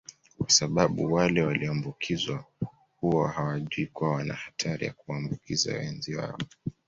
kwa sababu wale walioambukizwa huwa hawajui kuwa wana hatari ya kuwaambukiza wenzi wao